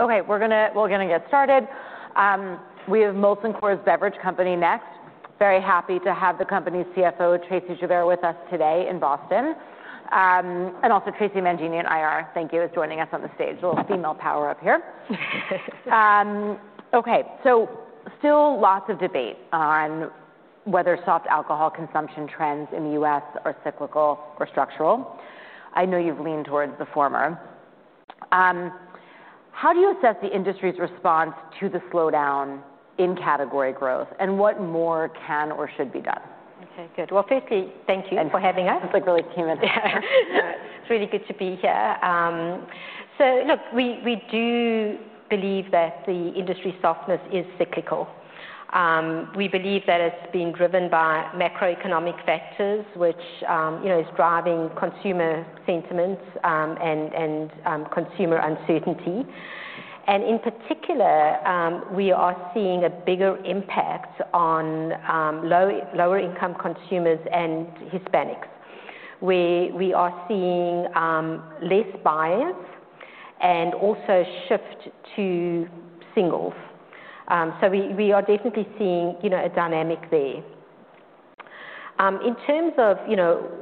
Okay, we're going to get started. We have Molson Coors Beverage Company next. Very happy to have the company's CFO, Tracey Joubert, with us today in Boston. And also Traci Mangini at IR, thank you, is joining us on the stage. A little female power up here. Okay, so still lots of debate on whether soft alcohol consumption trends in the U.S. are cyclical or structural. I know you've leaned towards the former. How do you assess the industry's response to the slowdown in category growth, and what more can or should be done? Okay, good. Well, firstly, thank you for having us. Thanks. It’s really good to be here. So look, we do believe that the industry’s softness is cyclical. We believe that it’s been driven by macroeconomic factors, which is driving consumer sentiment and consumer uncertainty, and in particular, we are seeing a bigger impact on lower-income consumers and Hispanics. We are seeing less buyers and also a shift to singles, so we are definitely seeing a dynamic there. In terms of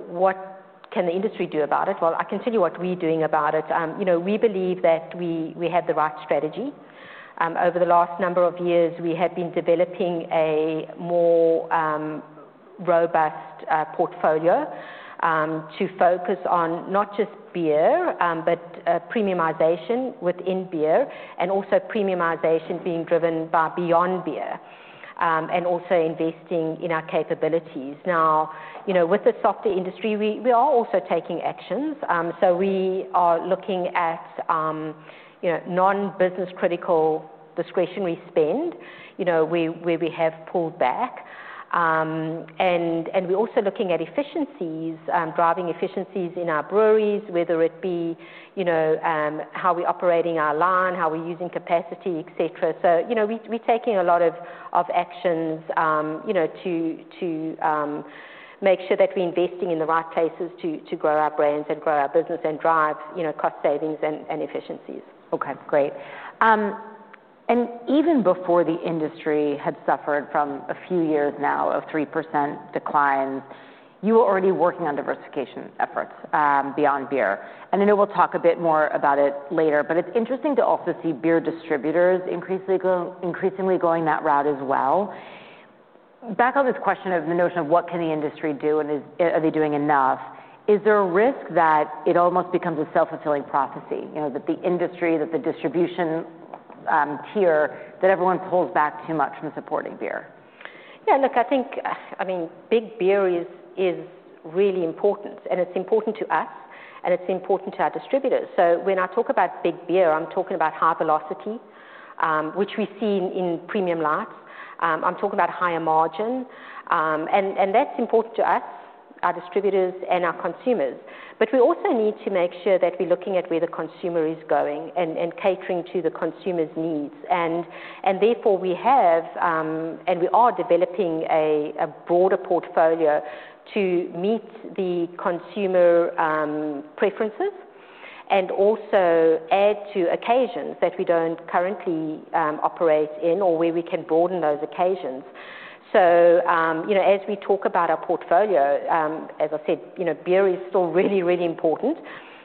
what can the industry do about it, well, I can tell you what we’re doing about it. We believe that we have the right strategy. Over the last number of years, we have been developing a more robust portfolio to focus on not just beer, but premiumization within beer, and also premiumization being driven by Beyond Beer, and also investing in our capabilities. Now, with the softer industry, we are also taking actions. We are looking at non-business-critical discretionary spend, where we have pulled back. We're also looking at efficiencies, driving efficiencies in our breweries, whether it be how we're operating our line, how we're using capacity, etc. We're taking a lot of actions to make sure that we're investing in the right places to grow our brands and grow our business and drive cost savings and efficiencies. Okay, great. And even before the industry had suffered from a few years now of 3% declines, you were already working on diversification efforts Beyond Beer. And I know we'll talk a bit more about it later, but it's interesting to also see beer distributors increasingly going that route as well. Back on this question of the notion of what can the industry do, and are they doing enough, is there a risk that it almost becomes a self-fulfilling prophecy? That the industry, that the distribution tier, that everyone pulls back too much from supporting beer? Yeah, look, I think, I mean, big beer is really important, and it's important to us, and it's important to our distributors. So when I talk about big beer, I'm talking about high velocity, which we see in premium lines. I'm talking about higher margin, and that's important to us, our distributors and our consumers, but we also need to make sure that we're looking at where the consumer is going and catering to the consumer's needs, and therefore, we have and we are developing a broader portfolio to meet the consumer preferences and also add to occasions that we don't currently operate in or where we can broaden those occasions, so as we talk about our portfolio, as I said, beer is still really, really important,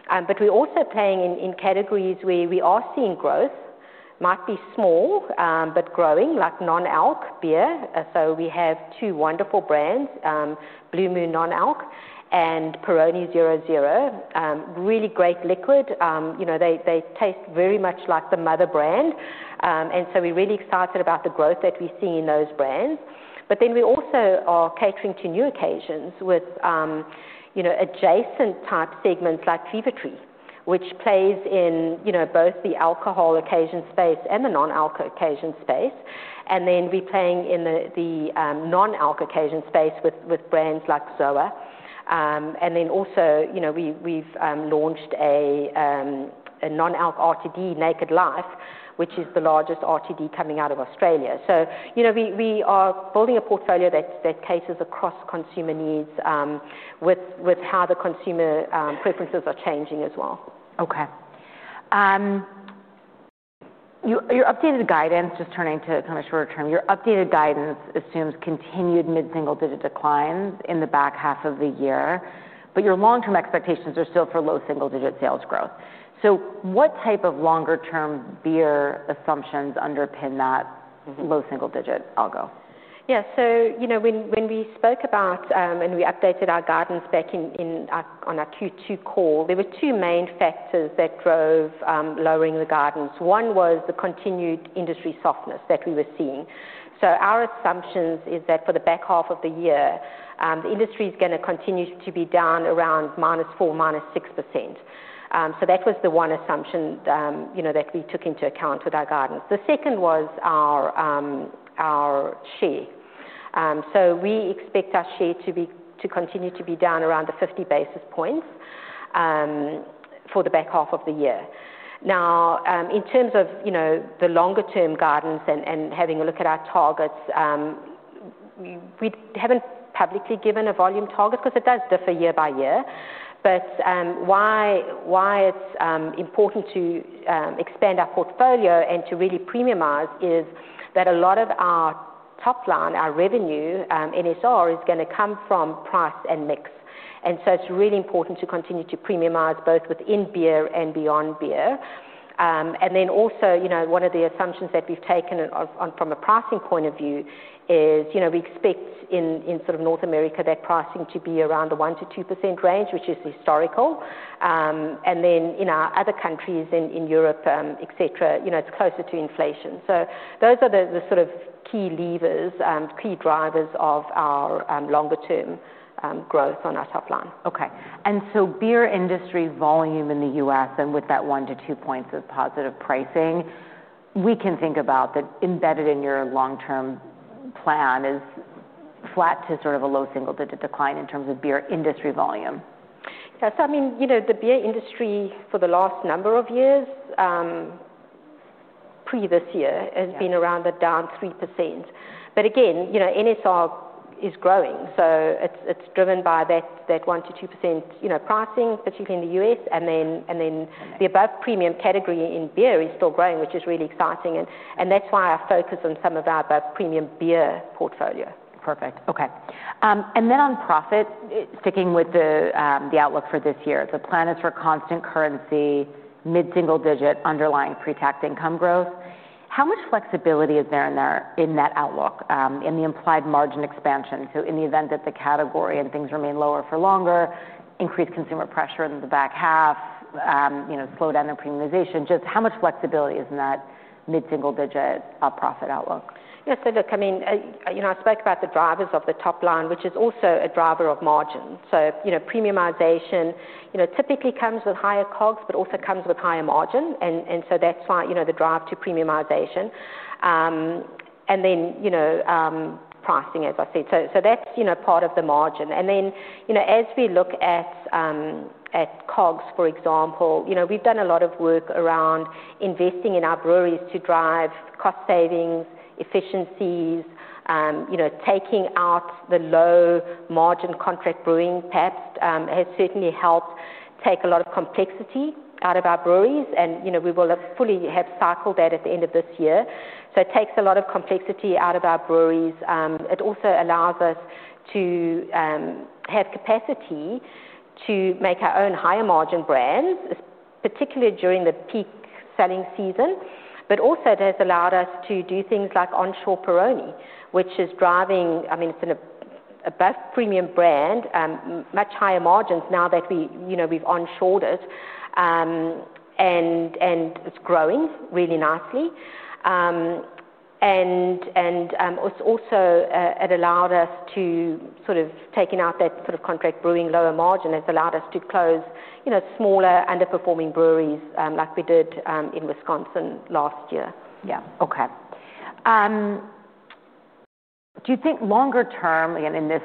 but we're also playing in categories where we are seeing growth. It might be small, but growing, like non-alc beer. So we have two wonderful brands, Blue Moon Non-Alc and Peroni 0.0. Really great liquid. They taste very much like the mother brand. And so we're really excited about the growth that we see in those brands. But then we also are catering to new occasions with adjacent type segments like Fever-Tree, which plays in both the alcohol occasion space and the non-alc occasion space. And then we're playing in the non-alc occasion space with brands like ZOA. And then also we've launched a non-alc RTD, Naked Life, which is the largest RTD coming out of Australia. So we are building a portfolio that caters across consumer needs with how the consumer preferences are changing as well. Okay. Your updated guidance, just turning to kind of shorter term, your updated guidance assumes continued mid-single digit declines in the back half of the year, but your long-term expectations are still for low single digit sales growth. So what type of longer-term beer assumptions underpin that low single digit growth? Yeah, so when we spoke about and we updated our guidance back on our Q2 call, there were two main factors that drove lowering the guidance. One was the continued industry softness that we were seeing. Our assumption is that for the back half of the year, the industry is going to continue to be down around -4% to -6%. That was the one assumption that we took into account with our guidance. The second was our share. We expect our share to continue to be down around the 50 basis points for the back half of the year. Now, in terms of the longer-term guidance and having a look at our targets, we haven't publicly given a volume target because it does differ year by year. But why it's important to expand our portfolio and to really premiumize is that a lot of our top line, our revenue, NSR, is going to come from price and mix. And so it's really important to continue to premiumize both within beer and Beyond Beer. And then also one of the assumptions that we've taken from a pricing point of view is we expect in sort of North America that pricing to be around the 1%-2% range, which is historical. And then in other countries in Europe, etc., it's closer to inflation. So those are the sort of key levers, key drivers of our longer-term growth on our top line. Okay. And so beer industry volume in the U.S., and with that 1-2 points of positive pricing, we can think about that embedded in your long-term plan is flat to sort of a low single digit decline in terms of beer industry volume. Yeah, so I mean, the beer industry for the last number of years pre this year has been around down 3%. But again, NSR is growing. So it's driven by that 1%-2% pricing, particularly in the U.S. And then the above premium category in beer is still growing, which is really exciting. And that's why our focus on some of our above premium beer portfolio. Perfect. Okay. And then on profit, sticking with the outlook for this year, the plan is for constant currency, mid-single digit, underlying pre-tax income growth. How much flexibility is there in that outlook in the implied margin expansion? So in the event that the category and things remain lower for longer, increased consumer pressure in the back half, slowed down the premiumization, just how much flexibility is in that mid-single digit profit outlook? Yeah, so look, I mean, I spoke about the drivers of the top line, which is also a driver of margin. So premiumization typically comes with higher COGS, but also comes with higher margin. And so that's why the drive to premiumization. And then pricing, as I said. So that's part of the margin. And then as we look at COGS, for example, we've done a lot of work around investing in our breweries to drive cost savings, efficiencies. Taking out the low margin contract brewing perhaps has certainly helped take a lot of complexity out of our breweries. And we will fully have cycled that at the end of this year. So it takes a lot of complexity out of our breweries. It also allows us to have capacity to make our own higher margin brands, particularly during the peak selling season. But also it has allowed us to do things like onshore Peroni, which is driving, I mean, it's an above premium brand, much higher margins now that we've onshored it. And it's growing really nicely. And it's also allowed us to sort of taking out that sort of contract brewing lower margin has allowed us to close smaller underperforming breweries like we did in Wisconsin last year. Yeah. Okay. Do you think longer term, again, in this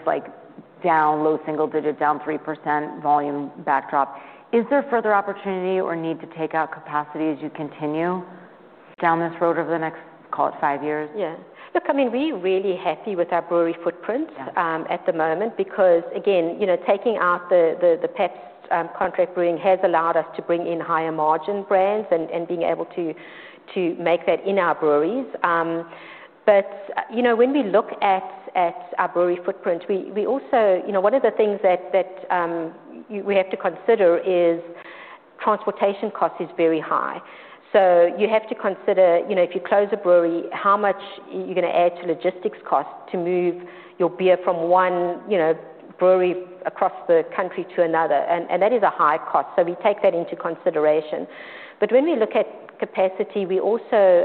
down low single digit, down 3% volume backdrop, is there further opportunity or need to take out capacity as you continue down this road over the next, call it, five years? Yeah. Look, I mean, we're really happy with our brewery footprint at the moment because, again, taking out the Pabst contract brewing has allowed us to bring in higher margin brands and being able to make that in our breweries. But when we look at our brewery footprint, we also, one of the things that we have to consider, is transportation costs is very high. So you have to consider if you close a brewery, how much you're going to add to logistics costs to move your beer from one brewery across the country to another. And that is a high cost. So we take that into consideration. But when we look at capacity, we also,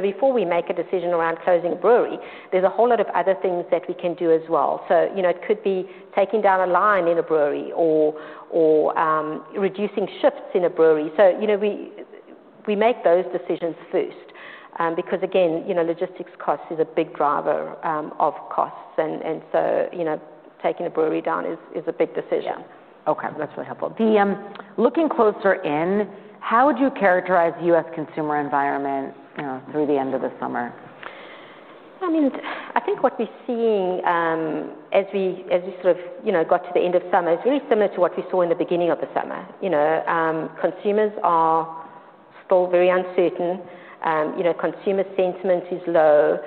before we make a decision around closing a brewery, there's a whole lot of other things that we can do as well. So it could be taking down a line in a brewery or reducing shifts in a brewery. So we make those decisions first because, again, logistics costs is a big driver of costs. And so taking a brewery down is a big decision. Yeah. Okay. That's really helpful. Looking closer in, how would you characterize the U.S. consumer environment through the end of the summer? I mean, I think what we're seeing as we sort of got to the end of summer is really similar to what we saw in the beginning of the summer. Consumers are still very uncertain. Consumer sentiment is low.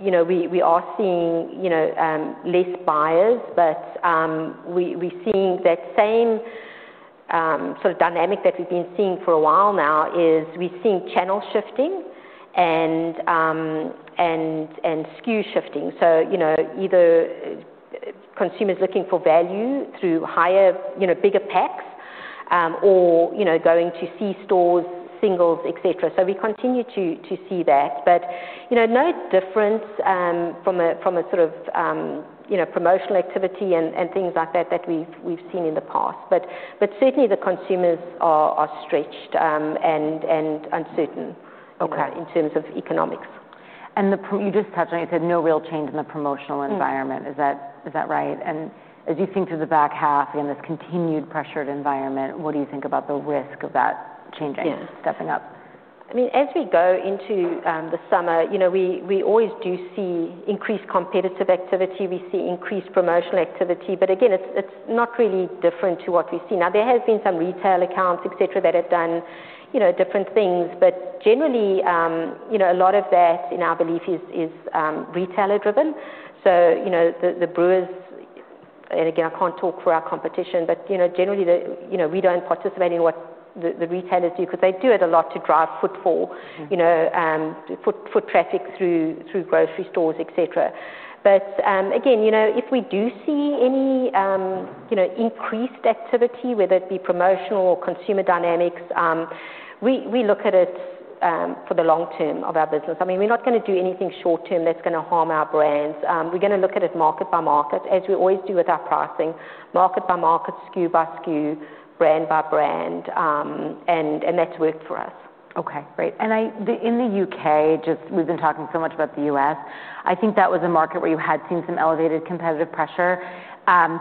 We are seeing less buyers, but we're seeing that same sort of dynamic that we've been seeing for a while now is we're seeing channel shifting and SKU shifting. So either consumers looking for value through higher, bigger packs or going to C-stores, singles, etc. So we continue to see that. But no difference from a sort of promotional activity and things like that that we've seen in the past. But certainly the consumers are stretched and uncertain in terms of economics. And you just touched on, you said no real change in the promotional environment. Is that right? And as you think through the back half, again, this continued pressured environment, what do you think about the risk of that changing, stepping up? I mean, as we go into the summer, we always do see increased competitive activity. We see increased promotional activity. But again, it's not really different to what we've seen. Now, there have been some retail accounts, etc., that have done different things. But generally, a lot of that, in our belief, is retailer-driven. So the brewers, and again, I can't talk for our competition, but generally, we don't participate in what the retailers do because they do it a lot to drive footfall, foot traffic through grocery stores, etc. But again, if we do see any increased activity, whether it be promotional or consumer dynamics, we look at it for the long term of our business. I mean, we're not going to do anything short term that's going to harm our brands. We're going to look at it market by market, as we always do with our pricing, market by market, SKU by SKU, brand by brand, and that's worked for us. Okay. Great. In the U.K., just we've been talking so much about the US. I think that was a market where you had seen some elevated competitive pressure.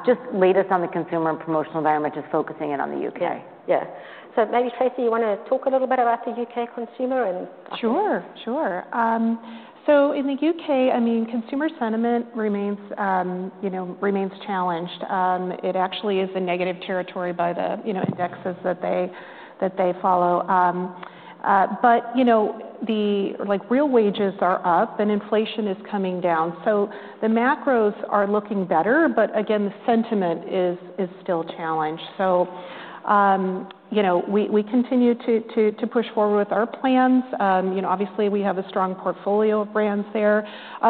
Just lay this on the consumer and promotional environment, just focusing in on the UK. Yeah. So maybe, Traci, you want to talk a little bit about the U.K. consumer and. Sure. Sure. So in the U.K., I mean, consumer sentiment remains challenged. It actually is in negative territory by the indexes that they follow. But the real wages are up and inflation is coming down. So the macros are looking better, but again, the sentiment is still challenged. So we continue to push forward with our plans. Obviously, we have a strong portfolio of brands there,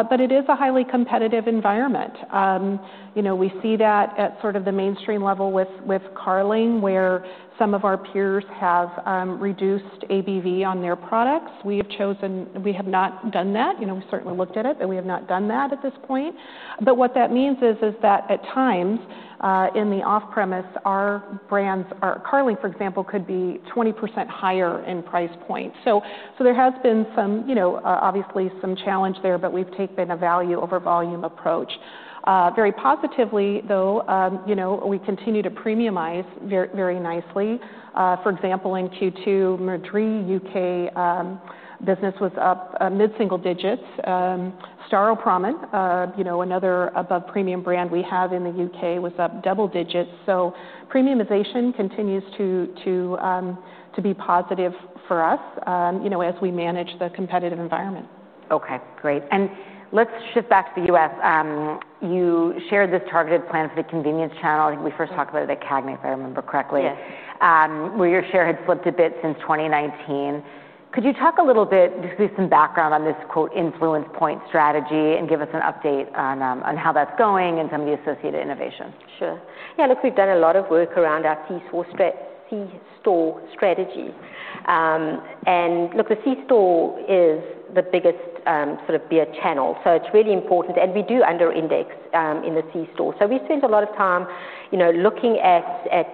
but it is a highly competitive environment. We see that at sort of the mainstream level with Carling, where some of our peers have reduced ABV on their products. We have chosen we have not done that. We certainly looked at it, but we have not done that at this point. But what that means is that at times in the off-premise, our brands, Carling, for example, could be 20% higher in price point. There has been obviously some challenge there, but we've taken a value over volume approach. Very positively, though, we continue to premiumize very nicely. For example, in Q2, Madrí, UK, business was up mid-single digits. Staropramen, another above premium brand we have in the U.K., was up double digits. Premiumization continues to be positive for us as we manage the competitive environment. Okay. Great, and let's shift back to the U.S. You shared this targeted plan for the convenience channel. I think we first talked about it at CAGNY if I remember correctly, where your share had slipped a bit since 2019. Could you talk a little bit, just give me some background on this "influence point" strategy and give us an update on how that's going and some of the associated innovation? Sure. Yeah. Look, we've done a lot of work around our C-store strategy. And look, the C-store is the biggest sort of beer channel. So it's really important. And we do underindex in the C-store. So we spend a lot of time looking at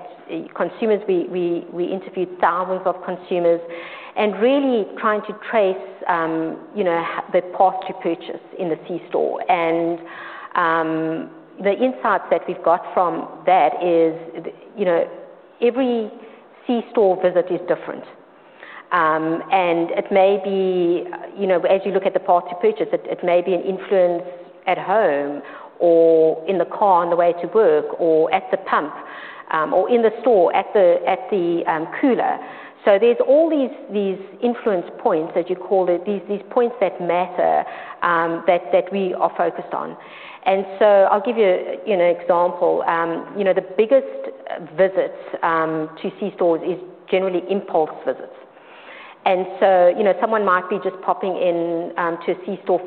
consumers. We interviewed thousands of consumers and really trying to trace the path to purchase in the C-store. And the insights that we've got from that is every C-store visit is different. And it may be, as you look at the path to purchase, it may be an influence at home or in the car on the way to work or at the pump or in the store at the cooler. So there's all these influence points, as you call it, these points that matter that we are focused on. And so I'll give you an example. The biggest visits to C-stores is generally impulse visits, and so someone might be just popping into a C store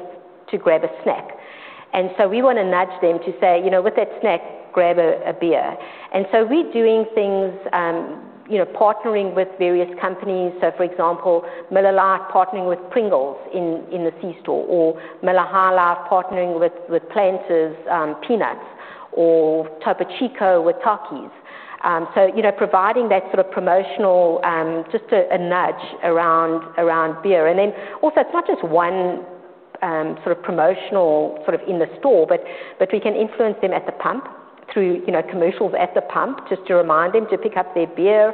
to grab a snack, and so we want to nudge them to say, "With that snack, grab a beer," and so we're doing things partnering with various companies, so for example, Miller Lite partnering with Pringles in the C store or Miller Lite partnering with Planters Peanuts, or Topo Chico with Takis, so providing that sort of promotional, just a nudge around beer, and then also, it's not just one sort of promotional in the store, but we can influence them at the pump through commercials at the pump just to remind them to pick up their beer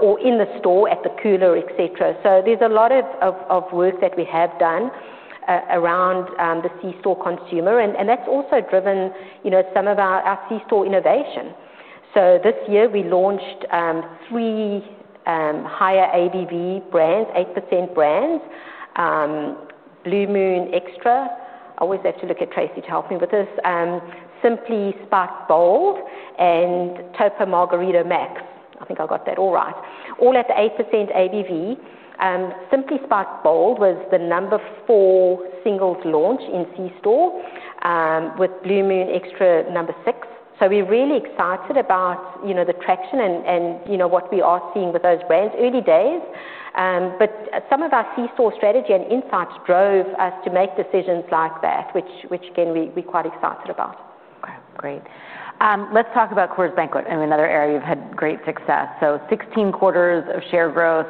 or in the store at the cooler, etc., so there's a lot of work that we have done around the C store consumer. And that's also driven some of our C-store innovation. So this year, we launched three higher ABV brands, 8% brands, Blue Moon Extra. I always have to look at Traci to help me with this. Simply Spiked Bold and Topo Chico Max. I think I got that all right. All at 8% ABV. Simply Spiked Bold was the number four singles launch in C-store with Blue Moon Extra number six. So we're really excited about the traction and what we are seeing with those brands, early days. But some of our C-store strategy and insights drove us to make decisions like that, which again, we're quite excited about. Okay. Great. Let's talk about Coors Banquet, another area you've had great success. So 16 quarters of share growth,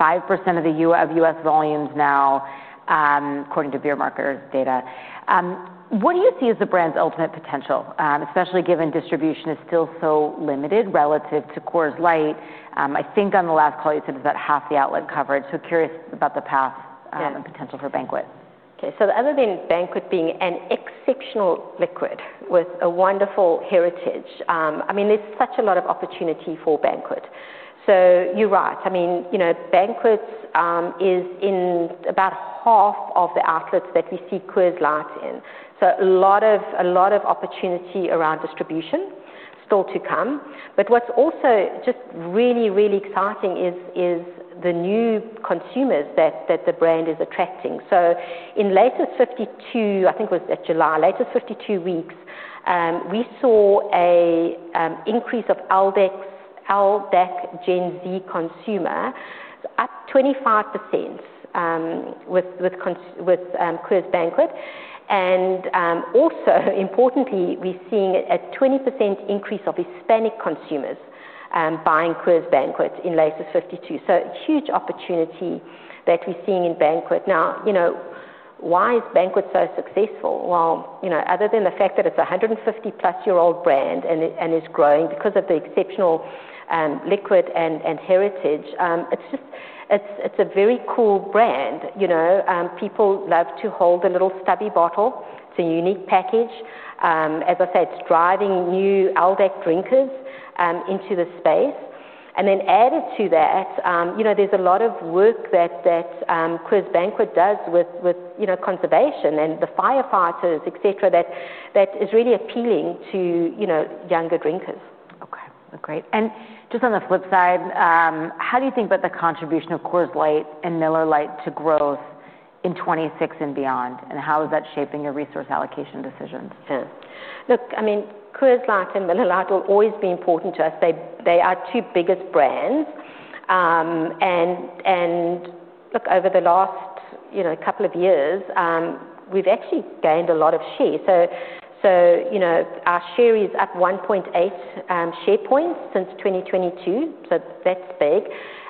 5% of U.S. volumes now, according to Beer Marketer's data. What do you see as the brand's ultimate potential, especially given distribution is still so limited relative to Coors Light? I think on the last call you said it's about half the outlet coverage. So curious about the path and potential for Banquet. Okay. So other than Banquet being an exceptional liquid with a wonderful heritage, I mean, there's such a lot of opportunity for Banquet. So you're right. I mean, Banquet is in about half of the outlets that we see Coors Light in. So a lot of opportunity around distribution still to come. But what's also just really, really exciting is the new consumers that the brand is attracting. So in latest 52, I think it was July, latest 52 weeks, we saw an increase of adult Gen Z consumer, up 25% with Coors Banquet. And also, importantly, we're seeing a 20% increase of Hispanic consumers buying Coors Banquet in latest 52. So huge opportunity that we're seeing in Banquet. Now, why is Banquet so successful? Well, other than the fact that it's a 150-plus-year-old brand and is growing because of the exceptional liquid and heritage, it's a very cool brand. People love to hold the little stubby bottle. It's a unique package. As I said, it's driving new Coors Banquet drinkers into the space. And then added to that, there's a lot of work that Coors Banquet does with conservation and the firefighters, etc., that is really appealing to younger drinkers. Okay. Great. And just on the flip side, how do you think about the contribution of Coors Light and Miller Lite to growth in 2026 and beyond? And how is that shaping your resource allocation decisions? Sure. Look, I mean, Coors Light and Miller Lite will always be important to us. They are two biggest brands. Look, over the last couple of years, we've actually gained a lot of share. So our share is up 1.8 share points since 2022. That's big.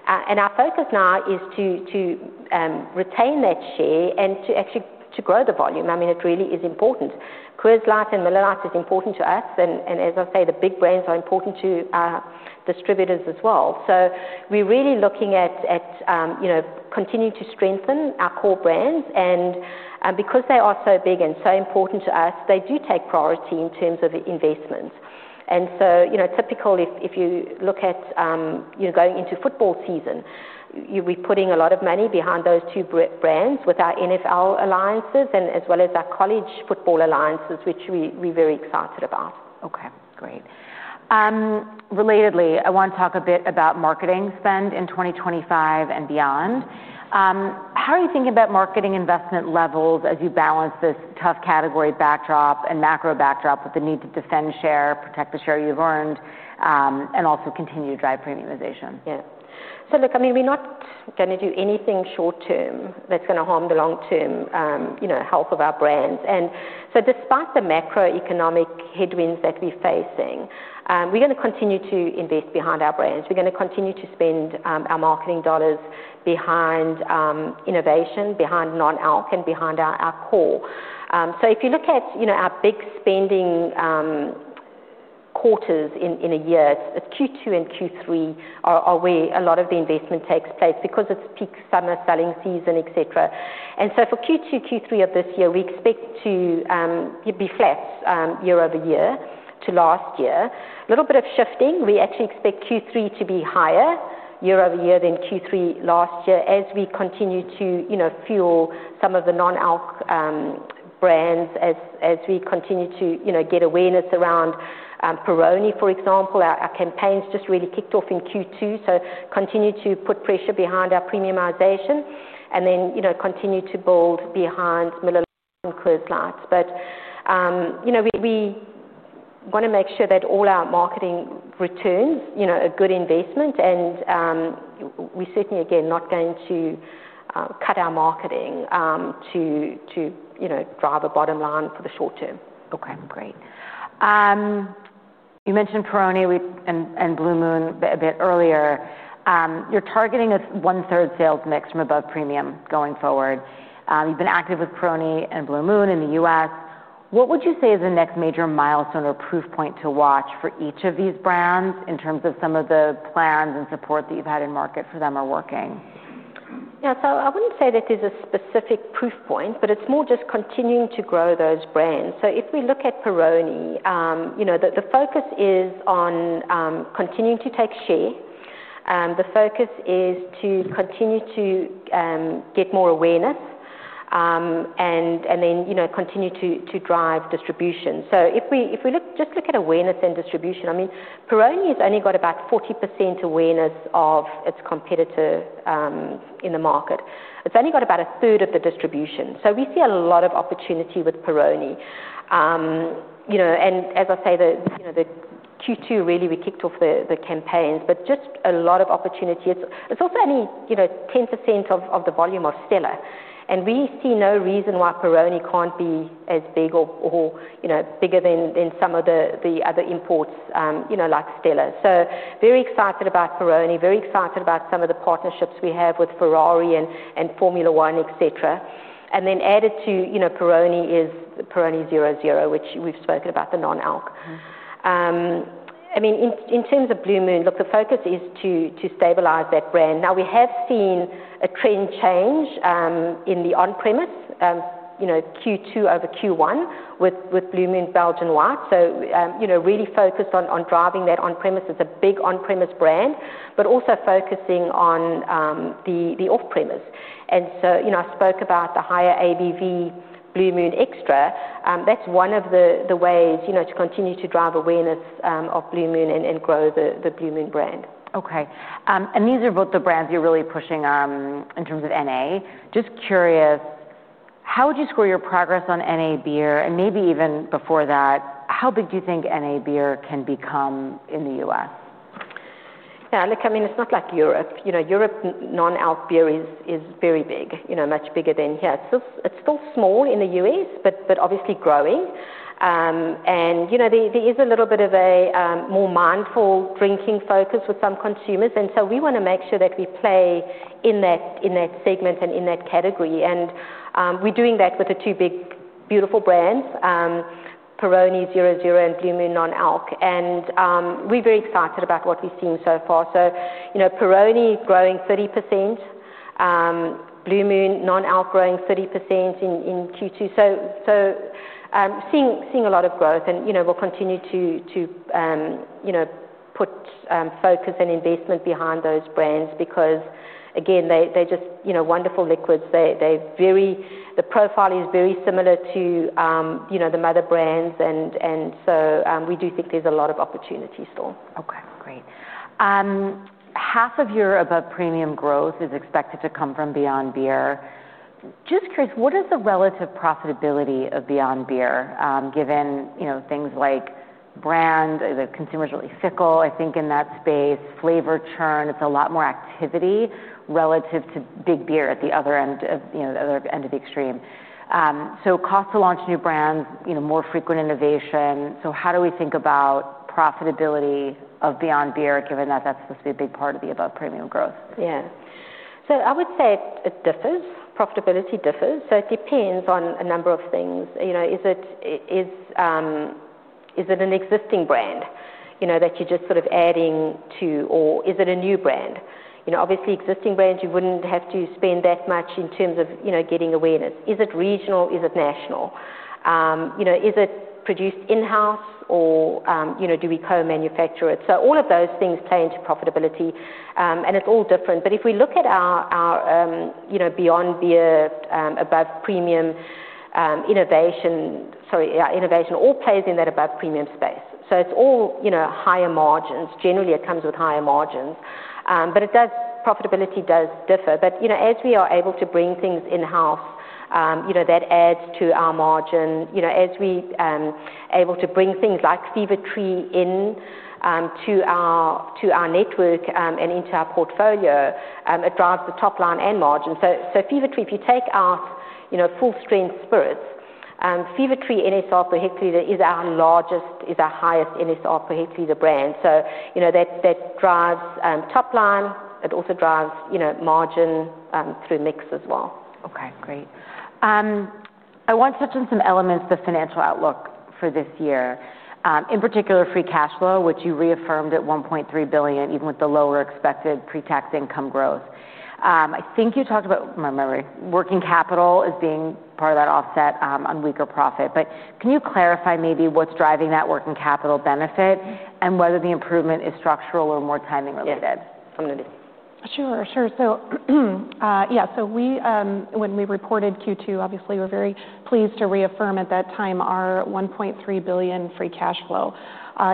Our focus now is to retain that share and to actually grow the volume. I mean, it really is important. Coors Light and Miller Lite is important to us. As I say, the big brands are important to our distributors as well. We're really looking at continuing to strengthen our core brands. Because they are so big and so important to us, they do take priority in terms of investments. Typically, if you look at going into football season, we're putting a lot of money behind those two brands with our NFL alliances and as well as our college football alliances, which we're very excited about. Okay. Great. Relatedly, I want to talk a bit about marketing spend in 2025 and beyond. How are you thinking about marketing investment levels as you balance this tough category backdrop and macro backdrop with the need to defend share, protect the share you've earned, and also continue to drive premiumization? Yeah. So look, I mean, we're not going to do anything short term that's going to harm the long-term health of our brands. And so despite the macroeconomic headwinds that we're facing, we're going to continue to invest behind our brands. We're going to continue to spend our marketing dollars behind innovation, behind non-alc, and behind our core. So if you look at our big spending quarters in a year, it's Q2 and Q3 are where a lot of the investment takes place because it's peak summer selling season, etc. And so for Q2, Q3 of this year, we expect to be flat year over year to last year. A little bit of shifting. We actually expect Q3 to be higher year over year than Q3 last year as we continue to fuel some of the non-alc brands as we continue to get awareness around Peroni, for example. Our campaigns just really kicked off in Q2, so continue to put pressure behind our premiumization and then continue to build behind Miller Lite and Coors Light, but we want to make sure that all our marketing returns a good investment, and we're certainly, again, not going to cut our marketing to drive a bottom line for the short term. Okay. Great. You mentioned Peroni and Blue Moon a bit earlier. You're targeting a one-third sales mix from above premium going forward. You've been active with Peroni and Blue Moon in the U.S. What would you say is the next major milestone or proof point to watch for each of these brands in terms of some of the plans and support that you've had in market for them or working? Yeah. So I wouldn't say that there's a specific proof point, but it's more just continuing to grow those brands. So if we look at Peroni, the focus is on continuing to take share. The focus is to continue to get more awareness and then continue to drive distribution. So if we just look at awareness and distribution, I mean, Peroni has only got about 40% awareness of its competitor in the market. It's only got about a third of the distribution. So we see a lot of opportunity with Peroni. And as I say, the Q2, really, we kicked off the campaigns, but just a lot of opportunity. It's also only 10% of the volume of Stella. And we see no reason why Peroni can't be as big or bigger than some of the other imports like Stella. So very excited about Peroni, very excited about some of the partnerships we have with Ferrari and Formula 1, etc. And then added to Peroni is Peroni 0.0, which we've spoken about, the non-alc. I mean, in terms of Blue Moon, look, the focus is to stabilize that brand. Now, we have seen a trend change in the on-premise Q2 over Q1 with Blue Moon Belgian White. So really focused on driving that on-premise. It's a big on-premise brand, but also focusing on the off-premise. And so I spoke about the higher ABV Blue Moon Extra. That's one of the ways to continue to drive awareness of Blue Moon and grow the Blue Moon brand. Okay. And these are both the brands you're really pushing in terms of NA. Just curious, how would you score your progress on NA beer? And maybe even before that, how big do you think NA beer can become in the U.S.? Yeah. Look, I mean, it's not like Europe. Europe non-alc beer is very big, much bigger than here. It's still small in the U.S., but obviously growing. And there is a little bit of a more mindful drinking focus with some consumers. And so we want to make sure that we play in that segment and in that category. And we're doing that with the two big beautiful brands, Peroni 0.0 and Blue Moon Non-Alc. And we're very excited about what we're seeing so far. So Peroni growing 30%, Blue Moon Non-Alc growing 30% in Q2. So seeing a lot of growth. And we'll continue to put focus and investment behind those brands because, again, they're just wonderful liquids. The profile is very similar to the mother brands. And so we do think there's a lot of opportunity still. Okay. Great. Half of your above premium growth is expected to come from Beyond Beer. Just curious, what is the relative profitability of Beyond Beer given things like brand? The consumer is really fickle, I think, in that space. Flavor churn, it's a lot more activity relative to big beer at the other end of the extreme, so cost to launch new brands, more frequent innovation, so how do we think about profitability of Beyond Beer given that that's supposed to be a big part of the above premium growth? Yeah. So I would say it differs. Profitability differs. So it depends on a number of things. Is it an existing brand that you're just sort of adding to, or is it a new brand? Obviously, existing brands, you wouldn't have to spend that much in terms of getting awareness. Is it regional? Is it national? Is it produced in-house or do we co-manufacture it? So all of those things play into profitability. And it's all different. But if we look at our Beyond Beer, above premium innovation, sorry, innovation, all plays in that above premium space. So it's all higher margins. Generally, it comes with higher margins. But profitability does differ. But as we are able to bring things in-house, that adds to our margin. As we are able to bring things like Fever-Tree into our network and into our portfolio, it drives the top line and margin. Fever-Tree, if you take out Full Strength Spirits, Fever-Tree NSR per hectoliter is our highest NSR per hectoliter brand. That drives top line. It also drives margin through mix as well. Okay. Great. I want to touch on some elements of the financial outlook for this year, in particular, free cash flow, which you reaffirmed at $1.3 billion, even with the lower expected pre-tax income growth. I think you talked about, from memory, working capital as being part of that offset on weaker profit. But can you clarify maybe what's driving that working capital benefit and whether the improvement is structural or more timing related? Sure. Sure. So yeah, so when we reported Q2, obviously, we were very pleased to reaffirm at that time our $1.3 billion free cash flow,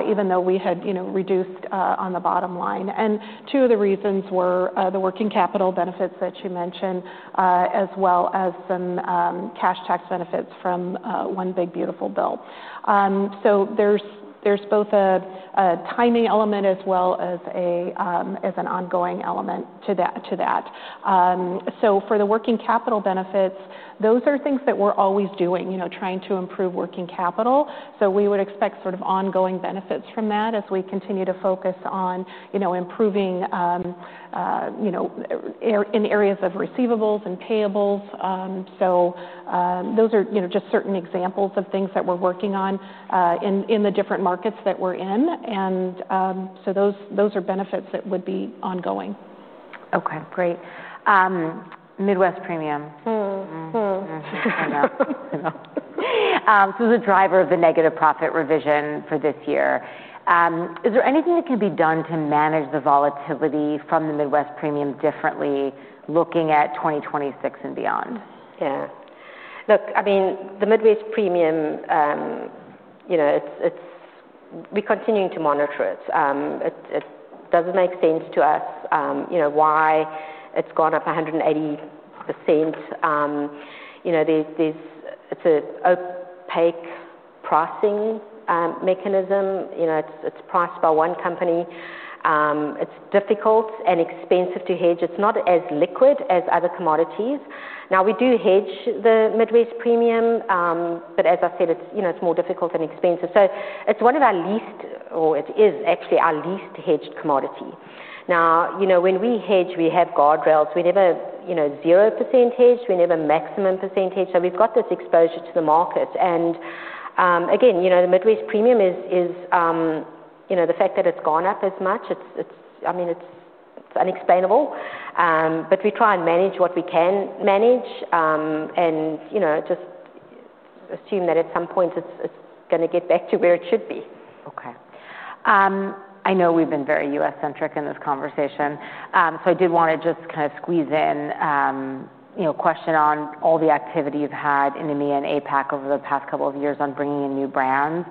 even though we had reduced on the bottom line. And two of the reasons were the working capital benefits that you mentioned, as well as some cash tax benefits from one big beautiful bill. So there's both a timing element as well as an ongoing element to that. So for the working capital benefits, those are things that we're always doing, trying to improve working capital. So we would expect sort of ongoing benefits from that as we continue to focus on improving in areas of receivables and payables. So those are just certain examples of things that we're working on in the different markets that we're in. And so those are benefits that would be ongoing. Okay. Great. Midwest Premium. I know. So the driver of the negative profit revision for this year. Is there anything that can be done to manage the volatility from the Midwest Premium differently, looking at 2026 and beyond? Yeah. Look, I mean, the Midwest Premium, we're continuing to monitor it. It doesn't make sense to us why it's gone up 180%. It's an opaque pricing mechanism. It's priced by one company. It's difficult and expensive to hedge. It's not as liquid as other commodities. Now, we do hedge the Midwest Premium, but as I said, it's more difficult and expensive. So it's one of our least, or it is actually our least hedged commodity. Now, when we hedge, we have guardrails. We never 0% hedge. We never maximum percentage. So we've got this exposure to the market. And again, the Midwest Premium is the fact that it's gone up as much. I mean, it's unexplainable. But we try and manage what we can manage and just assume that at some point it's going to get back to where it should be. Okay. I know we've been very US-centric in this conversation. So I did want to just kind of squeeze in a question on all the activity you've had in the EMEA & APAC over the past couple of years on bringing in new brands.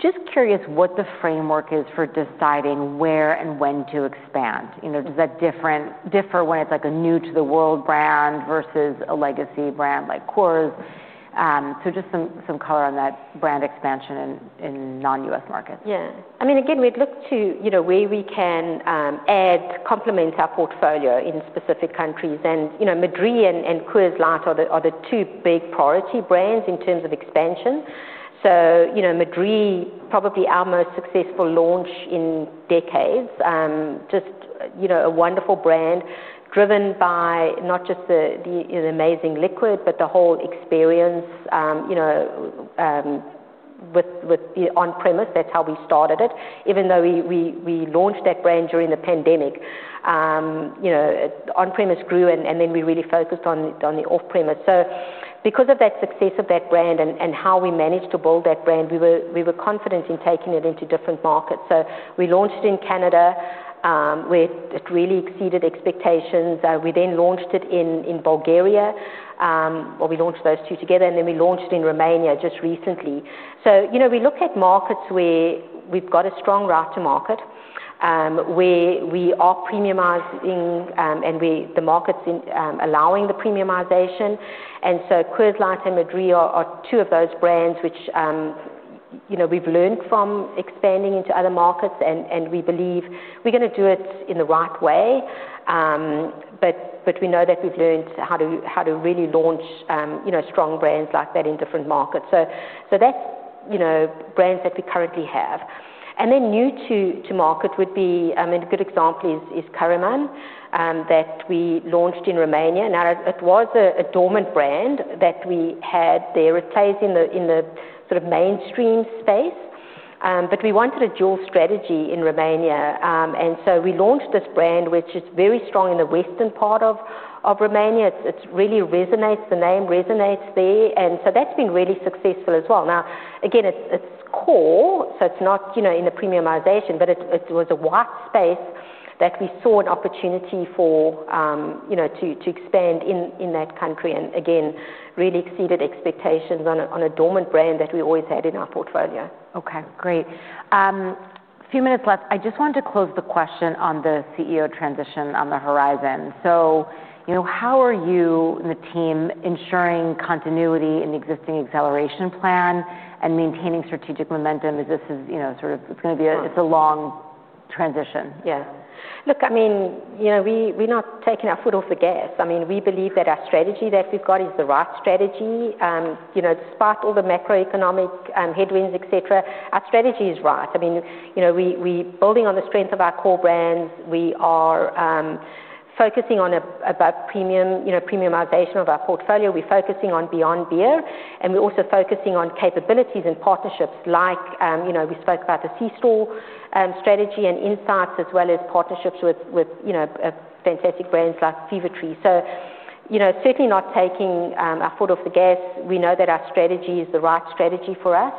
Just curious what the framework is for deciding where and when to expand. Does that differ when it's like a new-to-the-world brand versus a legacy brand like Coors? So just some color on that brand expansion in non-US markets. Yeah. I mean, again, we'd look to where we can add, complement our portfolio in specific countries. And Madrí and Coors Light are the two big priority brands in terms of expansion. So Madrí, probably our most successful launch in decades. Just a wonderful brand driven by not just the amazing liquid, but the whole experience with on-premise. That's how we started it. Even though we launched that brand during the pandemic, on-premise grew, and then we really focused on the off-premise. So because of that success of that brand and how we managed to build that brand, we were confident in taking it into different markets. So we launched it in Canada, where it really exceeded expectations. We then launched it in Bulgaria, or we launched those two together, and then we launched it in Romania just recently. So we look at markets where we've got a strong route to market, where we are premiumizing, and the market's allowing the premiumization. And so Coors Light and Madrí are two of those brands which we've learned from expanding into other markets, and we believe we're going to do it in the right way. But we know that we've learned how to really launch strong brands like that in different markets. So that's brands that we currently have. And then new to market would be, I mean, a good example is Caraiman that we launched in Romania. Now, it was a dormant brand that we had there. It plays in the sort of mainstream space. But we wanted a dual strategy in Romania. And so we launched this brand, which is very strong in the western part of Romania. It really resonates. The name resonates there. And so that's been really successful as well. Now, again, it's core, so it's not in the premiumization, but it was a white space that we saw an opportunity for to expand in that country. And again, really exceeded expectations on a dormant brand that we always had in our portfolio. Okay. Great. A few minutes left. I just wanted to close the question on the CEO transition on the horizon. So how are you and the team ensuring continuity in the existing acceleration plan and maintaining strategic momentum? This is sort of, it's going to be a, it's a long transition. Yeah. Look, I mean, we're not taking our foot off the gas. I mean, we believe that our strategy that we've got is the right strategy. Despite all the macroeconomic headwinds, etc., our strategy is right. I mean, building on the strength of our core brands, we are focusing on a premiumization of our portfolio. We're focusing on Beyond Beer, and we're also focusing on capabilities and partnerships like we spoke about the C-store strategy and insights, as well as partnerships with fantastic brands like Fever-Tree. So certainly not taking our foot off the gas. We know that our strategy is the right strategy for us,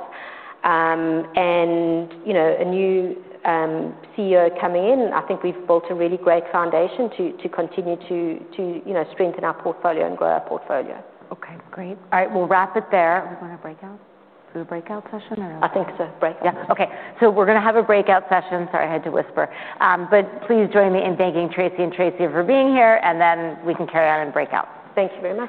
and a new CEO coming in, I think we've built a really great foundation to continue to strengthen our portfolio and grow our portfolio. Okay. Great. All right. We'll wrap it there. Was it a breakout session or a? I think so. Breakout. Yes. Okay. So we're going to have a breakout session. Sorry, I had to whisper. But please join me in thanking Tracey and Traci for being here, and then we can carry on and breakout. Thank you very much.